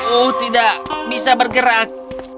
oh tidak bisa bergerak